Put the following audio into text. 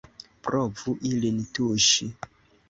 Provu ilin tuŝi!